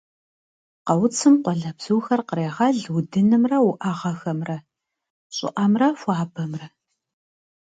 Къэуцым къуалэбзухэр кърегъэл удынымрэ уӏэгъэхэмрэ, щӏыӏэмрэ хуабэмрэ.